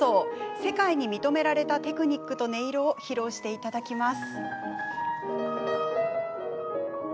世界に認められたテクニックと音色を披露していただきます。